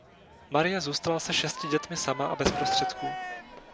Marie zůstala se šesti dětmi sama a bez prostředků.